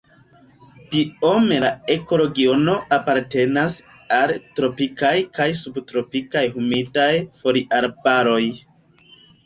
Biome la ekoregiono apartenas al tropikaj kaj subtropikaj humidaj foliarbaroj.